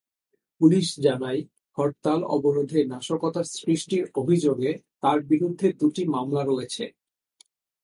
Police জানায়, হরতাল-অবরোধে নাশকতা সৃষ্টির অভিযোগে তাঁর বিরুদ্ধে দুটি মামলা রয়েছে।